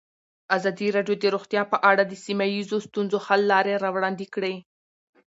ازادي راډیو د روغتیا په اړه د سیمه ییزو ستونزو حل لارې راوړاندې کړې.